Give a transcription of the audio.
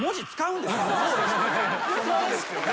そうですよね。